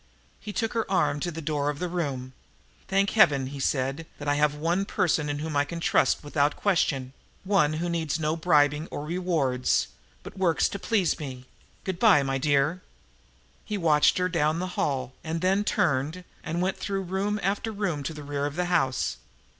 He took her arm to the door of the room. "Thank Heaven," he said, "that I have one person in whom I can trust without question one who needs no bribing or rewards, but works to please me. Good by, my dear." He watched her down the hall and then turned and went through room after room to the rear of the house.